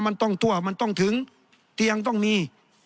มันต้องทั่วมันต้องถึงเตียงต้องมี